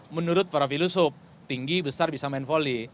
menurut para filosop tinggi besar bisa main volley